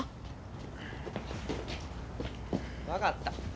分かった。